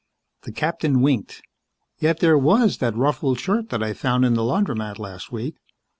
The captain winked. "Yet there was that ruffled shirt that I found in the laundromat last week.